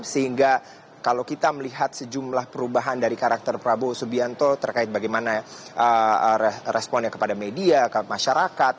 sehingga kalau kita melihat sejumlah perubahan dari karakter prabowo subianto terkait bagaimana responnya kepada media kepada masyarakat